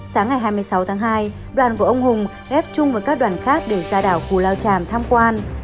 sáng ngày hai mươi sáu tháng hai đoàn của ông hùng ghép chung với các đoàn khác để ra đảo cù lao tràm tham quan